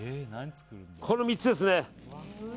この３つですね。